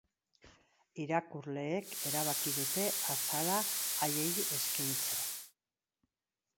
Irakurleek erabaki dute azala haiei eskaintzea.